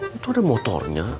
itu ada motornya